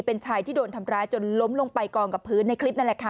เป็นชายที่โดนทำร้ายจนล้มลงไปกองกับพื้นในคลิปนั่นแหละค่ะ